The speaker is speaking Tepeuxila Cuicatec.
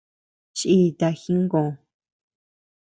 Chiíta jingö.